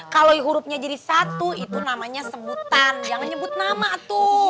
kalau di hurufnya jadi satu itu namanya sebutan jangan nyebut nama tuh